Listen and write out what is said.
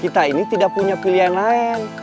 kita ini tidak punya pilihan lain